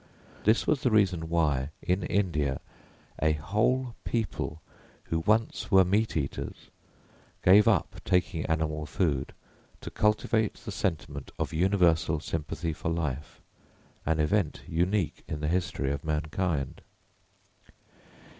This was the reason why in India a whole people who once were meat eaters gave up taking animal food to cultivate the sentiment of universal sympathy for life, an event unique in the history of mankind.